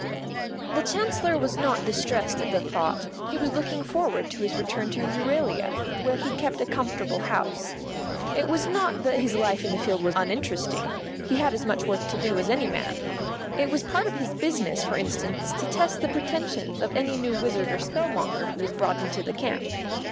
The Chancellor was not distressed at the thought; he was looking forward to his return to Euralia, where he kept a comfortable house. It was not that his life in the field was uninteresting; he had as much work to do as any man. It was part of his business, for instance, to test the pretentions of any new wizard or spell monger who was brought into the camp.